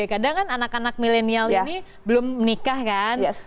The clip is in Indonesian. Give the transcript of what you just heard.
kadang kan anak anak milenial ini belum menikah kan